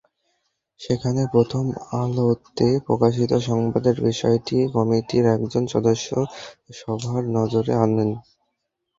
সেখানে প্রথম আলোতে প্রকাশিত সংবাদের বিষয়টি কমিটির একজন সদস্য সভার নজরে আনেন।